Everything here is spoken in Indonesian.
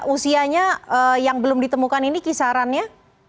usianya yang belum ditemukan ini kisarannya